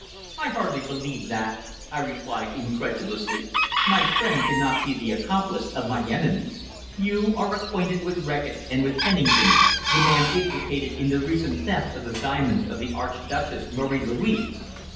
"I hardly believe that," I replied incredulously. "My friend cannot be the accomplice of my enemies. You are acquainted with Reckitt and with Pennington the men implicated in the recent theft of the diamonds of the Archduchess Marie Louise!"